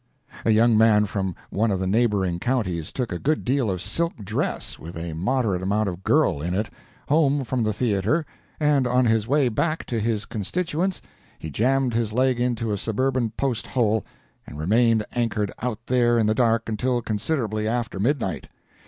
A young man from one of the neighboring counties, took a good deal of silk dress, with a moderate amount of girl in it, home from the theatre, and on his way back to his constituents he jammed his leg into a suburban post hole, and remained anchored out there in the dark until considerably after midnight.